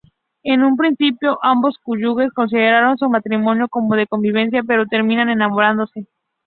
En un principio ambos cónyuges consideraron su matrimonio como de conveniencia, pero terminan enamorándose.